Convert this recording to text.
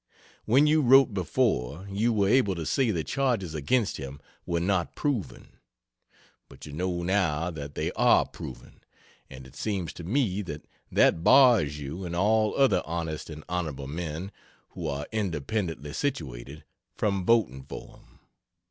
When you wrote before, you were able to say the charges against him were not proven. But you know now that they are proven, and it seems to me that that bars you and all other honest and honorable men (who are independently situated) from voting for him.